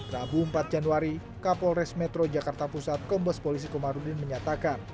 rabu empat januari kapolres metro jakarta pusat kombes polisi komarudin menyatakan